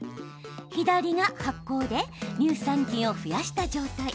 左が発酵で乳酸菌を増やした状態。